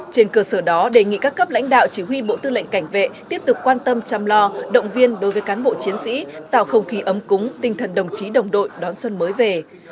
trên cơ sở đó đề nghị các cấp lãnh đạo chỉ huy bộ tư lệnh cảnh vệ tiếp tục quan tâm chăm lo động viên đối với cán bộ chiến sĩ tạo không khí ấm cúng tinh thần đồng chí đồng đội đón xuân mới về